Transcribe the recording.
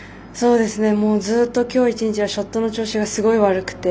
ずっときょう１日はショットの調子がすごい悪くて。